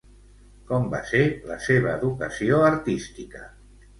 Com va ser la seva educació artística?